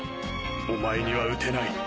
お前には撃てない。